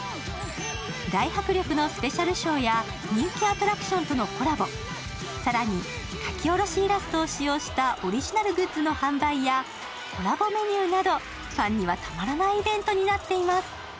大迫力のスペシャルショーや人気アトラクションとのコラボ、更に、描き下ろしイラストを使用したオリジナルグッズの販売やコラボメニューなどファンにはたまらないイベントになっています。